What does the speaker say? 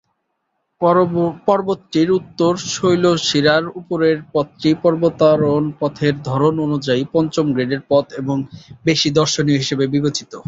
পর্বতটির উত্তর শৈলশিরার উপরের পথটি পর্বতারোহণ পথের ধরন অনুযায়ী পঞ্চম গ্রেডের পথ এবং বেশি দর্শনীয় হিসেবে বিবেচিত।